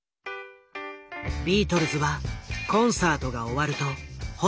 ビートルズはコンサートが終わるとホテルに直行。